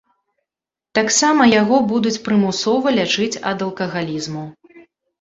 Таксама яго будуць прымусова лячыць ад алкагалізму.